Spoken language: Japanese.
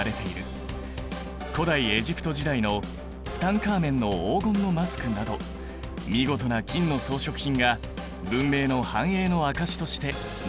古代エジプト時代のツタンカーメンの黄金のマスクなど見事な金の装飾品が文明の繁栄の証しとして残されてきた。